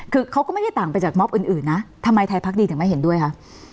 คือเขาก็ไม่ได้ต่างไปจากมอบอื่นนะทำไมไทยพักดีถึงไม่เห็นด้วยคะ